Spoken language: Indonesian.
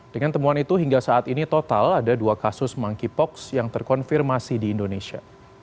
dengan temuan itu hingga saat ini total ada dua kasus monkeypox yang terkonfirmasi di indonesia